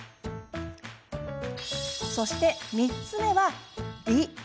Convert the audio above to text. そして３つ目は「利」。